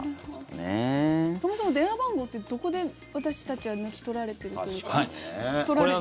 そもそも電話番号ってどこで私たちは抜き取られているというか取られているんですか？